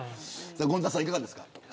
権田さん、いかがですか。